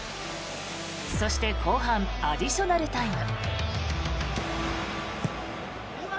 そして後半アディショナルタイム。